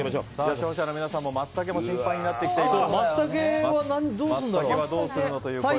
視聴者の皆さんもマツタケが心配になってきています。